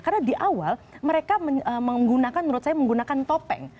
karena di awal mereka menggunakan menurut saya menggunakan topeng